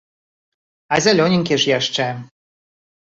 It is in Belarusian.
А зялёненькі ж яшчэ.